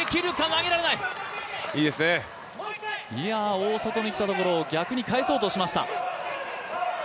大外にきたところを逆に返そうとしました。